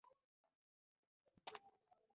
له افغانانو، ایرانیانو، ترکانو، مصریانو او عربانو سره.